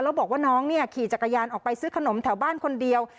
แล้วบอกว่าน้องเนี่ยขี่จักรยานออกไปซื้อขนมแถวบ้านคนเดียว